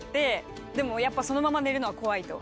でもやっぱそのまま寝るのは怖いと。